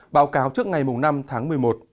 báo cáo trước ngày năm tháng một mươi một